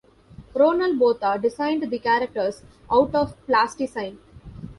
Ronel Botha designed the characters out of plasticine.